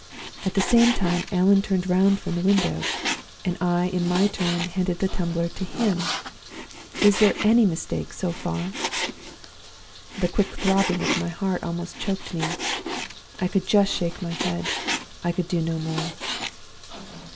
At the same time, Allan turned round from the window; and I, in my turn, handed the tumbler to him. Is there any mistake so far?' "The quick throbbing of my heart almost choked me. I could just shake my head I could do no more.